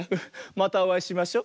またおあいしましょ。